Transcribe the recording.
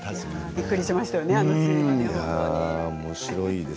びっくりしましたよね